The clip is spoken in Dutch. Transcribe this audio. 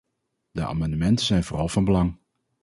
De amendementen zijn vooral van belang.